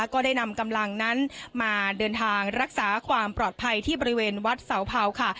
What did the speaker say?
ก็ได้นำกำลังนั้นมาเดินทางรักษาความปลอดภัยที่บริเวณวัดเสาเผาค่ะ